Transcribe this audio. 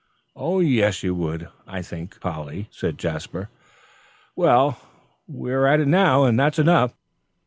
"Oh, yes, you would, I think, Polly," said Jasper. "Well, we are at it now, and that's enough.